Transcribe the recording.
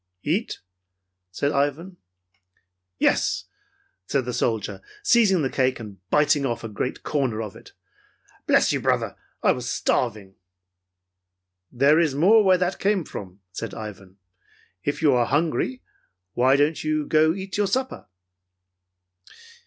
"Eat?" said Ivan. "Yes," said the soldier, seizing the cake and biting off a great corner of it. "Bless you, brother, I was starving!" "There is more where that came from," said Ivan. "If you are hungry, why don't you go eat your supper."